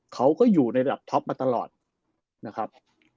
เขาก็อยู่ในระดับท็อปมาตลอดนะครับ